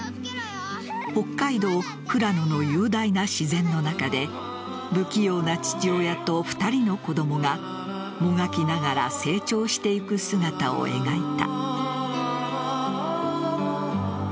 北海道富良野の雄大な自然の中で不器用な父親と２人の子供がもがきながら成長していく姿を描いた。